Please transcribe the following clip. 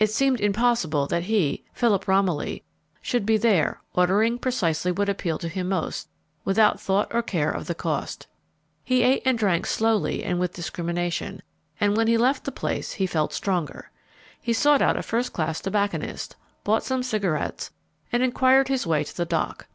It seemed impossible that he, Philip Romilly, should be there, ordering precisely what appealed to him most, without thought or care of the cost. He ate and drank slowly and with discrimination, and when he left the place he felt stronger. He sought out a first class tobacconist's, bought some cigarettes, and enquired his way to the dock.